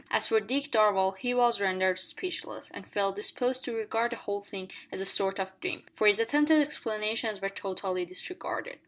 As for Dick Darvall, he was rendered speechless, and felt disposed to regard the whole thing as a sort of dream, for his attempted explanations were totally disregarded.